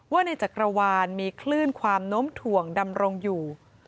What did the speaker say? ว่าในจักรวาลมีคลื่นความโน้มถ่วงดำรงอยู่